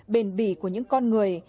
bền bỉ của những con người